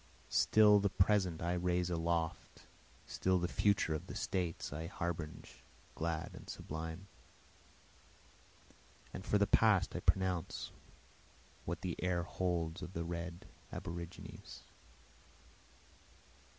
Still the present I raise aloft, still the future of the States I harbinge glad and sublime, And for the past I pronounce what the air holds of the red aborigines.